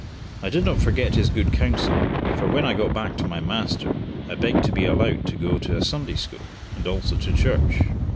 I did not forget his good counsel, for when I got back to my master I begged to be allowed to go to a Sunday school, and also to church.